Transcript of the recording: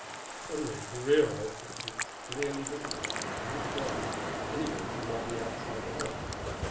Suddenly he realized that he was clearly visible, through the glass, to anyone who might be outside the house.